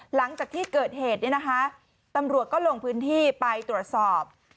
หลังจากที่เกิดเหตุเนี่ยนะคะตำรวจก็ลงพื้นที่ไปตรวจสอบ